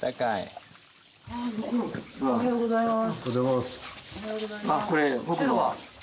おはようございます。